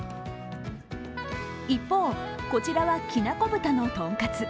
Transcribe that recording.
一方、こちらはきなこ豚のとんかつ。